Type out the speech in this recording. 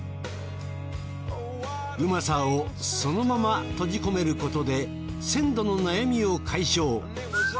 うまさをそのまま閉じ込めることで鮮度の悩みを解消。